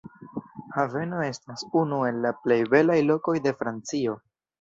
Haveno estas unu el la plej belaj lokoj de Francio.